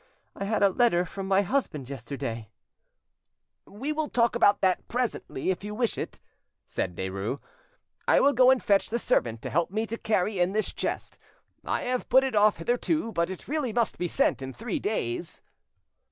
I had a letter from my husband yesterday——" "We will talk about that presently, if you wish it," said Derues. "I will go and fetch the servant to help me to carry in this chest. I have put it off hitherto, but it really must be sent in three days."